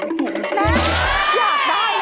แน่อยากได้เนอะ